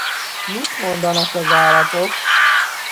Mit mondanak az állatok?